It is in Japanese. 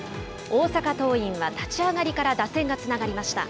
大阪桐蔭は立ち上がりから打線がつながりました。